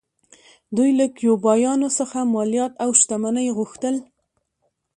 دوی له کیوبایانو څخه مالیات او شتمنۍ غوښتل